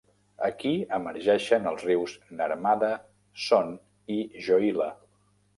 Aquí emergeixen els rius Narmada, Son i Johila.